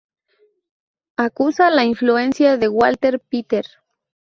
Acusa la influencia de Walter Pater.